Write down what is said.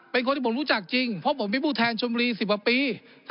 เป็นคนที่ผมรู้จักจริงเพราะผมเป็นผู้แทนชนบุรี๑๐กว่าปี